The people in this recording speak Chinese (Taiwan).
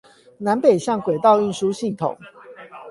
南北向軌道運輸系統